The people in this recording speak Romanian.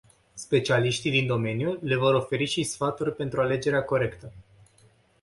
Specialiștii din domeniu le vor oferi și stafuri pentru alegerea corectă.